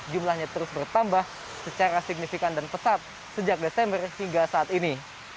jumlahnya terus bertambah secara signifikan dan pesat sejak desember hingga saat ini